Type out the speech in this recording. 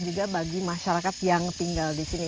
juga bagi masyarakat yang tinggal disini